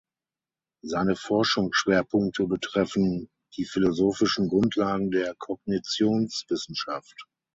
Seine Forschungsschwerpunkte betreffen die philosophischen Grundlagen der Kognitionswissenschaft.